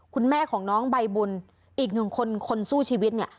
คุณแม่ของน้องใบบุญอีกหนึ่งคนคนสู้ชีวิตเนี่ย